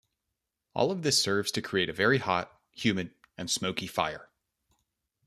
All of this serves to create a very hot, humid and smoky fire.